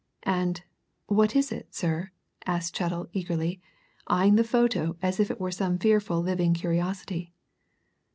"And what is it, sir?" asked Chettle eagerly, eyeing the photo as if it were some fearful living curiosity.